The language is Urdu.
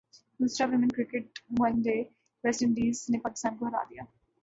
دوسرا women cricket one day West Indies نےپاکستان کوہرادیا